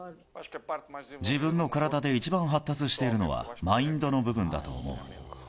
自分の体で一番発達しているのは、マインドの部分だと思う。